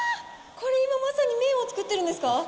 これ今まさに、麺を作ってるんですか？